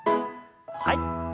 はい。